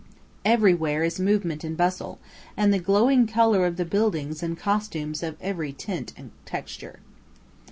Everywhere is movement and bustle, and the glowing colour of the buildings and costumes of every tint and texture.